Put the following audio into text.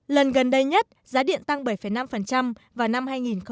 lần gần đây nhất giá điện tăng bảy năm vào năm hai nghìn một mươi năm